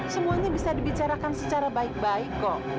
semuanya bisa dibicarakan secara baik baik kok